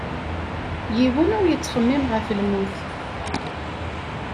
Yiwen ur yettxemmim ɣef lmut.